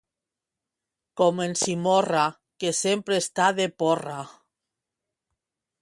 Com en Simorra, que sempre està de porra.